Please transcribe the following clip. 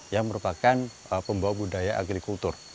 yang merupakan pembawa budaya agrikultur